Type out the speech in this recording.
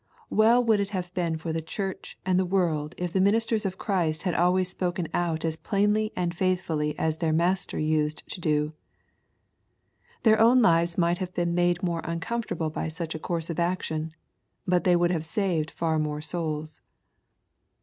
Well would it have been for the church and the world if the ministers of Christ had always spoken out as plainly and faithfully as their Master used to do 1 Their own lives might have been made more uncomfortable by such a course of action. But they would have saved far more souls.